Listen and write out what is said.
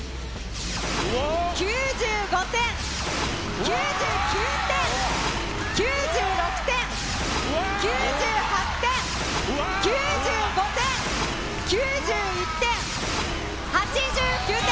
９５点、９９点、９６点、９８点、９５点、９１点、８９点。